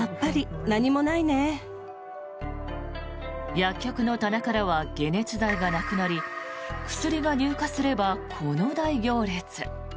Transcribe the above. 薬局の棚からは解熱剤がなくなり薬が入荷すれば、この大行列。